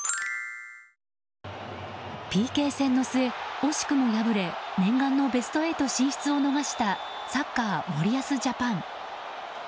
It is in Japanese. ＰＫ戦の末、惜しくも敗れ念願のベスト８進出を逃したサッカー、森保ジャパン。